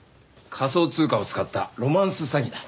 仮想通貨を使ったロマンス詐欺だ。